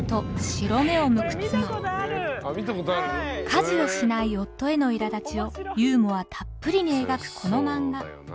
家事をしない夫へのいらだちをユーモアたっぷりに描くこの漫画。